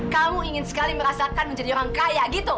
kamu ingin sekali merasakan menjadi orang kaya gitu